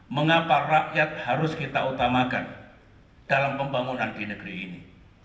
mengapa rakyat harus kita utamakan dalam pembangunan di negeri ini